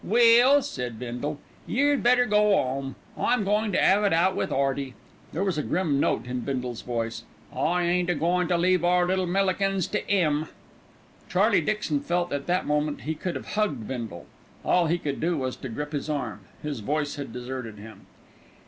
"Well," said Bindle, "yer'd better go 'ome. I'm goin' to 'ave it out with 'Earty." There was a grim note in Bindle's voice. "I ain't a goin' to leave our little Millikins to 'im." Charlie Dixon felt that at that moment he could have hugged Bindle. All he could do was to grip his arm. His voice had deserted him.